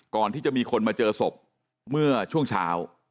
ก่อนที่จะมีคนมาเจอศพเมื่อช่วงเช้า